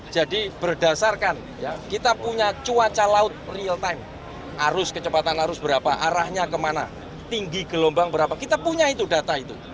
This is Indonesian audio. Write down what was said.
jadi berdasarkan kita punya cuaca laut real time arus kecepatan arus berapa arahnya kemana tinggi gelombang berapa kita punya itu data itu